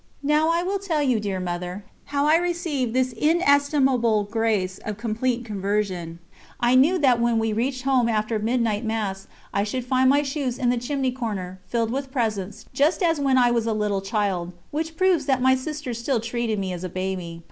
Now I will tell you, dear Mother, how I received this inestimable grace of complete conversion. I knew that when we reached home after Midnight Mass I should find my shoes in the chimney corner, filled with presents, just as when I was a little child, which proves that my sisters still treated me as a baby.